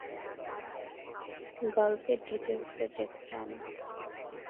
গল্পের ডিটেইলস-এ যেতে চায় না।